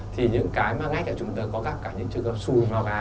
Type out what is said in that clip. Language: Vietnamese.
thì những cái mà ngay cả chúng ta có gặp cả những trường hợp xùi màu gà